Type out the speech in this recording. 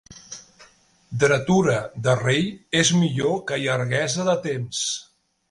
Dretura de rei és millor que llarguesa de temps.